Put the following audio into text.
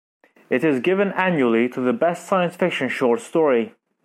It is given annually to the best science fiction short story.